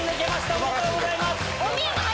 おめでとうございます！